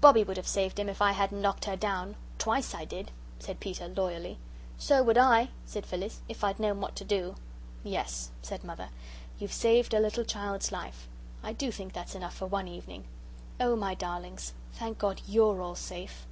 "Bobbie would have saved him if I hadn't knocked her down; twice I did," said Peter, loyally. "So would I," said Phyllis, "if I'd known what to do." "Yes," said Mother, "you've saved a little child's life. I do think that's enough for one evening. Oh, my darlings, thank God YOU'RE all safe!"